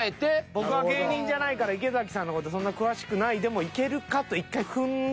僕は芸人じゃないから池崎さんの事そんな詳しくないでもいけるかと１回踏んだ。